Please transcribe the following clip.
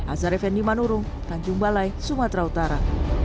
azhar effendi manurung tanjung balai sumatera utara